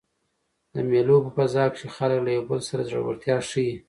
د مېلو په فضا کښي خلک له یو بل سره زړورتیا ښيي.